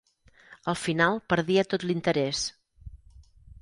Al final perdia tot l'interès.